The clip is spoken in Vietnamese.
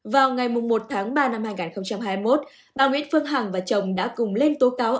vào ngày một tháng ba năm hai nghìn hai mươi một bà nguyễn phương hằng và chồng đã cùng lên tố cáo